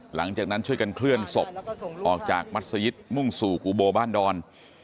หลังจากนั้นช่วยกันเคลื่อนศพออกจากมัศยิตมุ่งสู่กุโบบ้านดอน